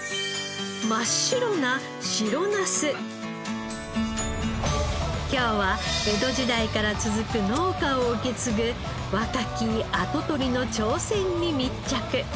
真っ白な今日は江戸時代から続く農家を受け継ぐ若き跡取りの挑戦に密着。